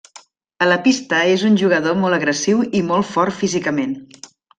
A la pista és un jugador molt agressiu i molt fort físicament.